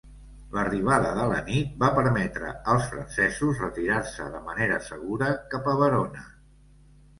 L'arribada de la nit va permetre als francesos retirar-se de manera segura cap a Verona.